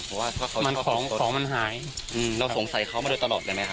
เพราะว่ามันของของมันหายเราสงสัยเขามาโดยตลอดเลยไหมครับ